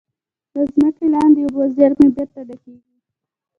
د ځمکې لاندې اوبو زیرمې بېرته ډکېږي.